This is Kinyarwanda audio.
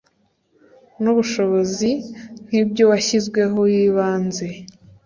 n ubushobozi nk iby uwashyizweho w ibanze